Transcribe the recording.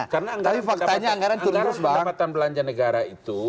karena anggaran pendapatan belanja negara itu